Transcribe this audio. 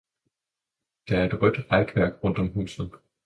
Der er et rødt rækværk om huset.